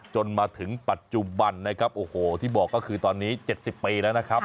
จนมาถึงปัจจุบันนะครับโอ้โหที่บอกก็คือตอนนี้๗๐ปีแล้วนะครับ